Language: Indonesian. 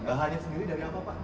bahannya sendiri dari apa pak